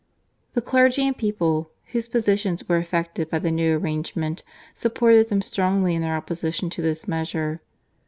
The clergy and people, whose positions were affected by the new arrangement, supported them strongly in their opposition to this measure.